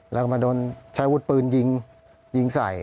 แล้วก็มาโดนใช้วุฒิปืนยิงยิงใส่